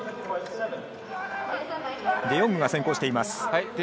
デ・ヨングが先行しています。